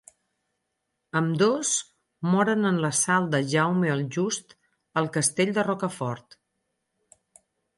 Ambdós moren en l'assalt de Jaume el Just al castell de Rocafort.